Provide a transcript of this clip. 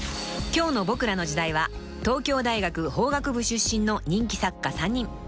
［今日の『ボクらの時代』は東京大学法学部出身の人気作家３人］